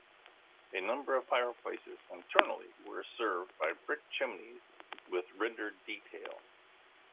A number of fireplaces internally were served by brick chimneys with rendered detail.